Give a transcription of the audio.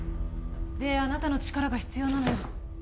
であなたの力が必要なのよ